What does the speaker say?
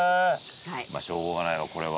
しょうがないわこれは。